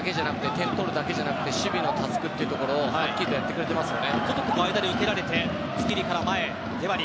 中で攻撃だけじゃなく点を取るだけじゃなくて守備のタスクというところをはっきりとやってくれてますね。